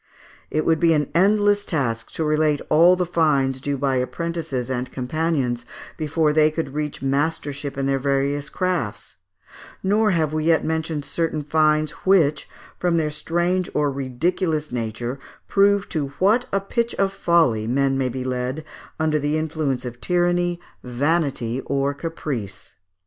It would be an endless task to relate all the fines due by apprentices and companions before they could reach mastership in their various crafts, nor have we yet mentioned certain fines, which, from their strange or ridiculous nature, prove to what a pitch of folly men may be led under the influence of tyranny, vanity, or caprice.